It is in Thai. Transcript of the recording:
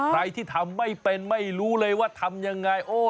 ใครที่ทำไม่เป็นไม่รู้เลยว่าทำยังไง